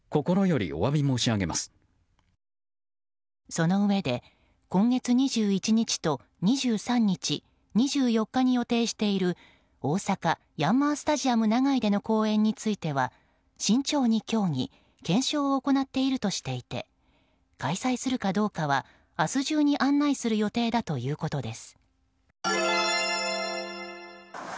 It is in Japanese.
そのうえで今月２１日と２３日、２４日に予定している大阪ヤンマースタジアム長居での公演については慎重に協議検証を行っているとしていて開催するかどうかは明日中に案内する予定だということです。